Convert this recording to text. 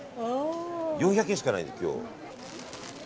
４００円しかないんです、今日。